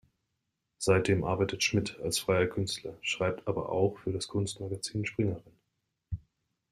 Seitdem arbeitet Schmidt als freier Künstler, schreibt aber auch für das Kunstmagazin springerin.